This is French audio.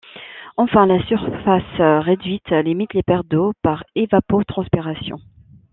Enfin, la surface réduite limite les pertes d'eau par évapotranspiration.